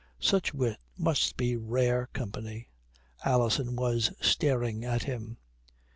"Such wit must be rare company." Alison was staring at him.